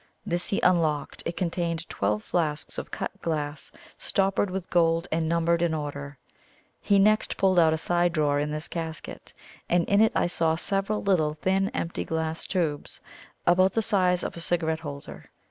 This he unlocked. It contained twelve flasks of cut glass, stoppered with gold and numbered in order. He next pulled out a side drawer in this casket, and in it I saw several little thin empty glass tubes, about the size of a cigarette holder.